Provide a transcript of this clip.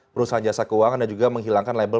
perusahaan jasa keuangan dan juga menghilangkan label